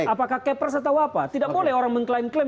apakah kepres atau apa tidak boleh orang mengklaim klaim